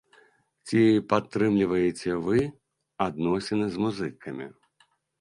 Ці падтрымліваеце вы адносіны з музыкамі?